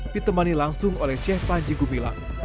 ditemani langsung oleh syekh panji gumila